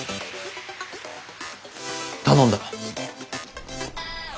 頼んだ。